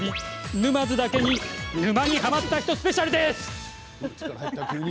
沼津だけに、沼にハマった人スペシャルです。